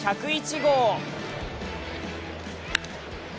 １０１号。